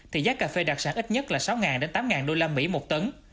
thì giá cà phê đặc sản ít nhất là sáu đến tám đô la mỹ một tấn